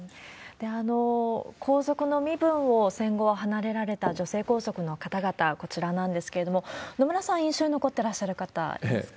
皇族の身分を戦後、離れられた女性皇族の方々、こちらなんですけれども、野村さん、印象に残ってらっしゃる方いますか？